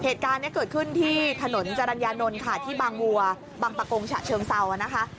เหตุการณ์นี้เกิดขึ้นที่ถนนจรรยานนท์ค่ะที่บางวัวบางประกงฉะเชิงเซานะคะ